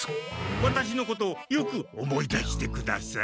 ワタシのことをよく思い出してください。